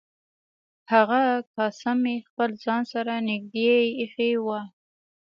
هغه کاسه مې خپل ځان سره نږدې ایښې وه.